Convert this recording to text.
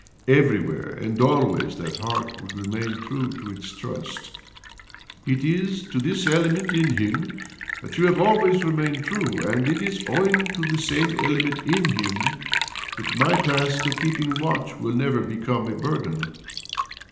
Everywhere and always that heart would remain true to its trust. It is to this element in him that you have always remained true ; and it is owing to the same element in him that my task of keeping watch will never become a burden.